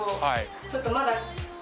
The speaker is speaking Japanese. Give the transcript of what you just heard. ちょっとまだ。